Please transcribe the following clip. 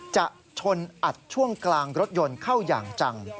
จะชนอัดช่วงกลางรถยนต์เข้าอย่างจัง